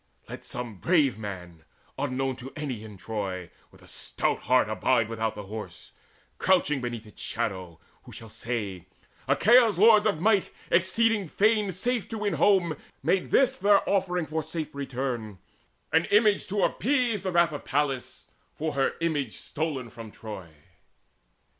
Let some brave man, unknown of any in Troy, With a stout heart abide without the Horse, Crouching beneath its shadow, who shall say: "`Achaea's lords of might, exceeding fain Safe to win home, made this their offering For safe return, an image to appease The wrath of Pallas for her image stolen From Troy.'